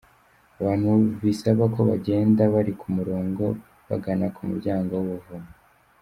Abantu bisaba ko bagenda bari ku murongo bagana ku muryango w'ubuvumo.